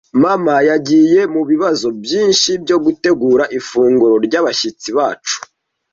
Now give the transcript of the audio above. Mama yagiye mubibazo byinshi byo gutegura ifunguro ryabashyitsi bacu.